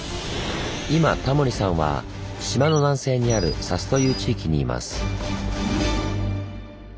今タモリさんは島の南西にある佐須という地域にいます。